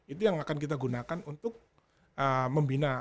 itu yang akan kita gunakan untuk membina